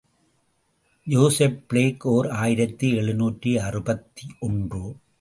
Joseph Blake, ஓர் ஆயிரத்து எழுநூற்று அறுபத்தொன்று.